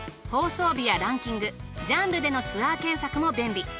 放送日やランキングジャンルでのツアー検索も便利。